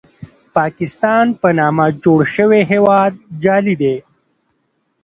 پاکستان په نامه جوړ شوی هېواد جعلي دی.